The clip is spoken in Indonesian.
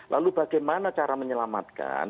lalu bagaimana cara menyelamatkan